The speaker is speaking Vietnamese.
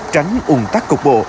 tránh ủng tắc cục bộ